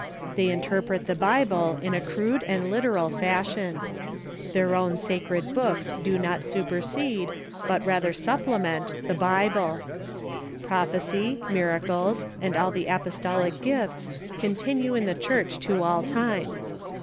They interpret the Bible in a crude and literal fashion. Their own sacred books Doctrines t i i i i r . i do not supersede, but rather supplement, the Bible. Prophecy, miracles, and all the apostolic gifts continue in the Church to all time.